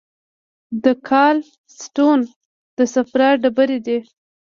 د ګال سټون د صفرا ډبرې دي.